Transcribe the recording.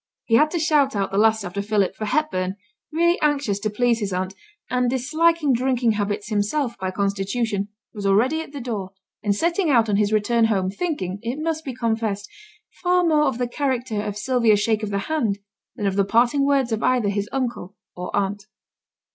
He had to shout out the last after Philip, for Hepburn, really anxious to please his aunt, and disliking drinking habits himself by constitution, was already at the door, and setting out on his return home, thinking, it must be confessed, far more of the character of Sylvia's shake of the hand than of the parting words of either his uncle or aunt.